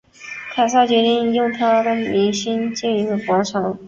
凯撒决定要用他的名兴建一个广场。